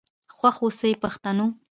خوښ آوسئ پښتنو.